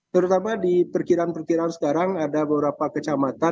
terutama di perkiraan perkiraan sekarang ada beberapa kecamatan